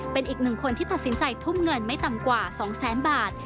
เป็นอีกหนึ่งคนที่ตัดสินใจทุ่มเงินไม่ต่ำกว่า๒แสนบาท